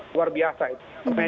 luar biasa itu